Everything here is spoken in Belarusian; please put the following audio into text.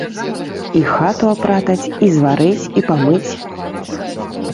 І хату апратаць, і зварыць, і памыць.